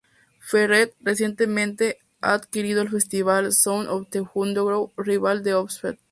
Ferret, recientemente, ha adquirido el festival "Sounds of the Underground", rival del Ozzfest.